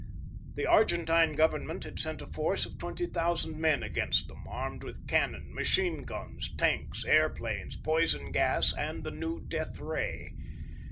The Argentine Government had sent a force of twenty thousand men against them, armed with cannon, machine guns, tanks, airplanes, poison gas, and the new death ray.